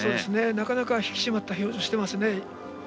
なかなか引き締まった表情していますね。